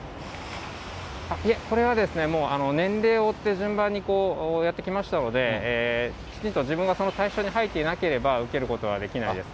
いえ、これは年齢を追って順番にやってきましたので、きちんと自分がその対象に入っていなければ、受けることはできないです。